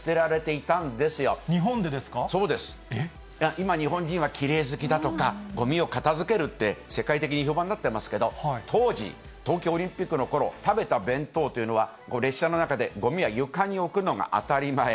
今、日本人はきれい好きだとか、ごみを片づけるって、世界的に評判になってますけど、当時、東京オリンピックのころ、食べた弁当というのは、列車の中でごみは床に置くのが当たり前。